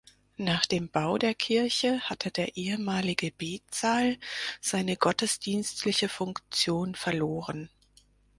Nach dem Bau der Kirche hatte der ehemalige Betsaal seine gottesdienstliche Funktion verloren.